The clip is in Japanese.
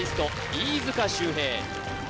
飯塚修平